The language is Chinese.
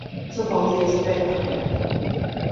这房子也是贷款买来的